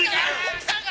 奥さんが！